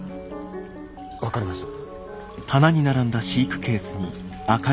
分かりました！